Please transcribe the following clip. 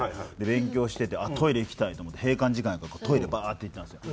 勉強しててあっトイレ行きたいと思って閉館時間やったからトイレバーッと行ったんですよ。